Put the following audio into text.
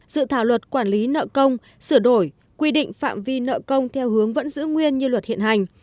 dự thảo luật quản lý nợ công sửa đổi quy định phạm vi nợ công theo hướng vẫn giữ nguyên như luật hiện hành